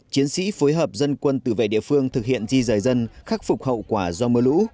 chiến sĩ phối hợp dân quân tử vệ địa phương thực hiện di rời dân khắc phục hậu quả do mưa lũ